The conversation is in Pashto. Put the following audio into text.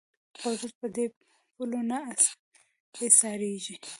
قدرت په دې پولو نه ایسارېږي